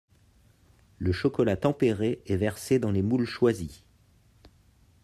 Le chocolat tempéré est versé dans les moules choisis.